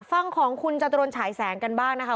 ฟังของคุณจตุรนฉายแสงกันบ้างนะคะ